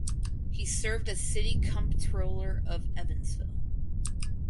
He served as city comptroller of Evansville.